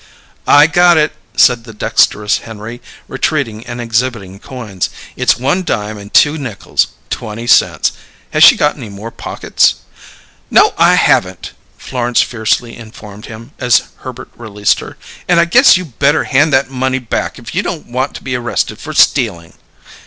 "I got it!" said the dexterous Henry, retreating and exhibiting coins. "It's one dime and two nickels twenty cents. Has she got any more pockets?" "No, I haven't!" Florence fiercely informed him, as Herbert released her. "And I guess you better hand that money back if you don't want to be arrested for stealing!"